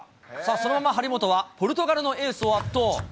そのまま、張本は、ポルトガルのエースを圧倒。